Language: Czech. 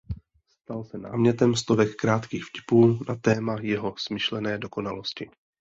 Stal se námětem stovek krátkých vtipů na téma jeho smyšlené dokonalosti.